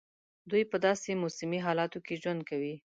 دوی په داسي موسمي حالاتو کې ژوند کوي.